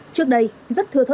trước đây rất thưa thớt